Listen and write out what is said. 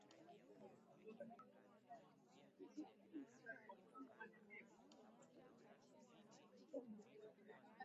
Ni muhimu kula viazi lishe kwani virutubishi vilivyomo vinahitajika mwilini